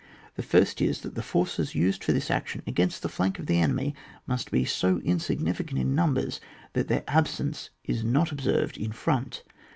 The first is, that the forces used for this action against the fiank of the enemy must be so insignificant in numbers that their absence is not observed in front.